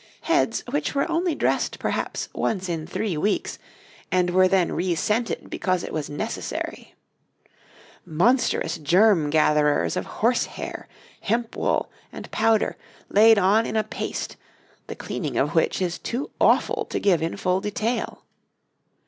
Heads which were only dressed, perhaps, once in three weeks, and were then rescented because it was necessary. Monstrous germ gatherers of horse hair, hemp wool, and powder, laid on in a paste, the cleaning of which is too awful to give in full detail.